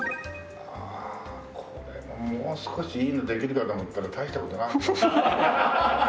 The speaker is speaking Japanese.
ああこれももう少しいいのできるかと思ったら大した事なかった。